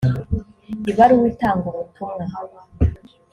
ibaruwa itanga ubutumwa.